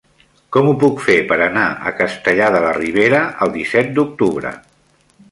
Com ho puc fer per anar a Castellar de la Ribera el disset d'octubre?